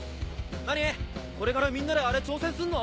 何これからみんなであれ挑戦すんの？